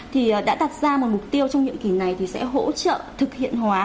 thì đã đặt ra một mục tiêu trong nhiệm kỳ này thì sẽ hỗ trợ thực hiện hóa